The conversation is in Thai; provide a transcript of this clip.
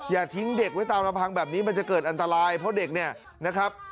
อย่าทิ้งเด็กไว้ตามลำพังแบบนี้มันจะเกิดอันตรายเพราะเด็กเนี่ยนะครับ